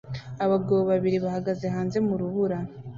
Abagabo babiri bahagaze hanze mu rubura